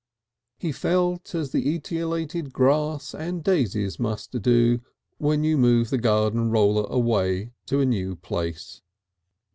He felt as the etiolated grass and daisies must do when you move the garden roller away to a new place.